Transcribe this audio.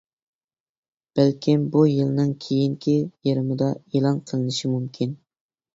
بەلكىم بۇ يىلنىڭ كېيىنكى يېرىمىدا ئېلان قىلىنىشى مۇمكىن.